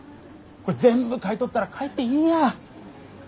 これ全部買い取ったら帰っていいや。